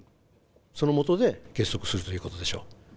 その下で結束するということでしょう。